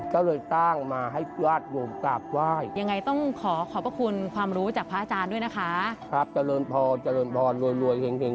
ก็เลยสร้างมาให้พระอาจารย์โยมกล้าบไหว้